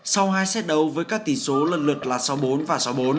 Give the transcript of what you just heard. sau hai xét đấu với các tỷ số lần lượt là sáu mươi bốn và sáu mươi bốn